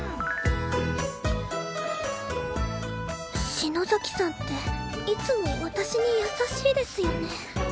篠崎さんっていつも私に優しいですよね